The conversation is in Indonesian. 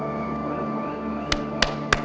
lili kamu harus menerima perhatian